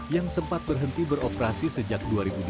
yang sempat berhenti beroperasi sejak dua ribu dua belas